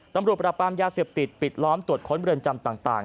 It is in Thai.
ตำรวจปราบปรามยาเสพติดปิดล้อมตรวจค้นเรือนจำต่าง